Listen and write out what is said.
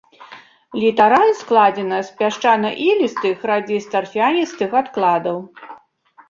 Літараль складзена з пясчана-ілістых, радзей з тарфяністых адкладаў.